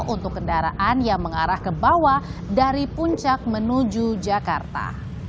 untuk kendaraan yang mengarah ke bawah dari puncak menuju jakarta